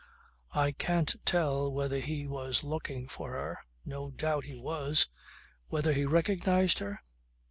I can't tell whether he was looking for her. No doubt he was. Whether he recognized her?